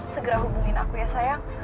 segera hubungin aku ya sayang